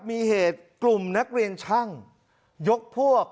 มีเหตุกลุ่มนักเรียนช่างยกพวก